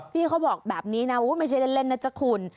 พี่เขาบอกแบบนี้นะไม่ใช่เล่นนะจ๊ะคุณ